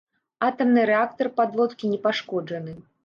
Атамны рэактар падлодкі не пашкоджаны.